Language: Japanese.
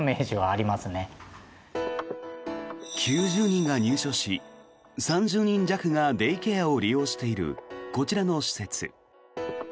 ９０人が入所し３０人弱がデイケアを利用しているこちらの施設。